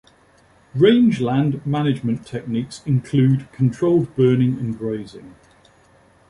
Rangeland management techniques include controlled burning and grazing.